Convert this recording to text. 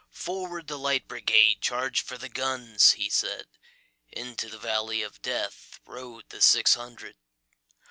"Forward, the Light Brigade! Charge for the guns!" he said:Into the valley of DeathRode the six hundred.